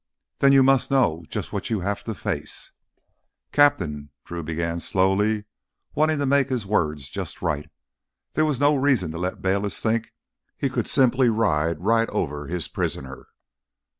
"Then you must know just what you have to face." "Captain ..." Drew began slowly, wanting to make his words just right. There was no reason to let Bayliss think he could simply ride right over his prisoner.